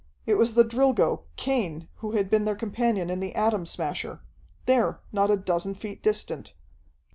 It was the Drilgo, Cain, who had been their companion in the Atom Smasher there, not a dozen feet distant.